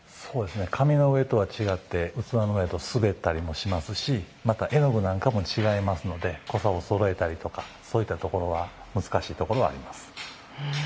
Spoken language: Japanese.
紙の上とは違って器の上やと滑ったりもしますし絵の具なんかも違いますので濃さをそろえたりとかそういったところは難しいところはあります。